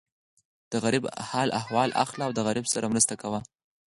د غریب حال احوال اخله او د غریب سره مرسته کوه.